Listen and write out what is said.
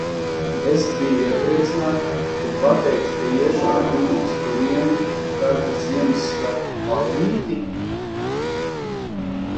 Es biju iepriecināta kad pateicu ka iešu ar viņu uz Gliemjraga Ziemassvētku ballīti?